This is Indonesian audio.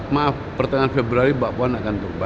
maaf pertengahan februari bapak puan akan turba